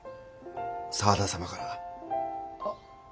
沢田様から。